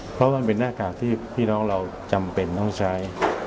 เพราะมันเป็นหน้ากากที่พี่น้องเราจำเป็นต้องใช้